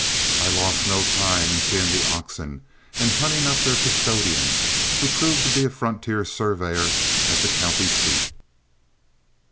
I lost no time in seeing the oxen and hunting up their custodian, who proved to be a frontier surveyor at the county seat.